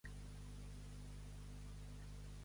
—Una merda. —Per a tu ben tendra.